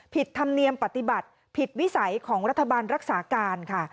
ธรรมเนียมปฏิบัติผิดวิสัยของรัฐบาลรักษาการค่ะ